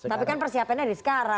tapi kan persiapannya dari sekarang